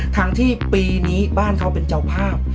ทั้งที่ปีนี้บ้านเขาเป็นเจ้าภาพ